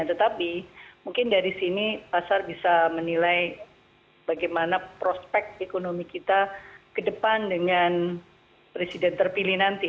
tetapi mungkin dari sini pasar bisa menilai bagaimana prospek ekonomi kita ke depan dengan presiden terpilih nanti